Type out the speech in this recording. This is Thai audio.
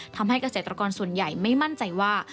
ทำให้เกษตรกรส่วนใหญ่ไม่มั่นใจว่า